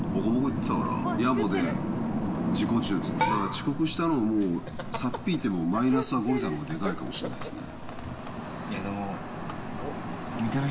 遅刻したのを差っ引いてもマイナスはゴリさんのほうがでかいかもしれないですね。